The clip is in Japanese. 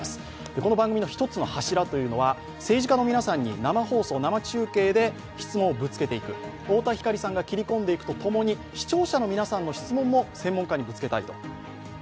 この番組の一つの柱というのは、政治家の皆さんに生放送、生中継で質問をぶつけていく、太田光さんが切り込んでいくとともに視聴者の皆さんの質問も政治家にぶつけたいと。